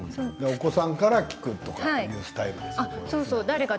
お子さんから聞くというスタイルとか。